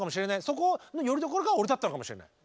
そこのよりどころが俺だったのかもしれない。